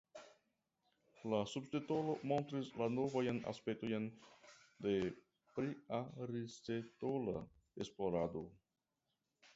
La subtitolo montris la novajn aspektojn de priaristotela esplorado.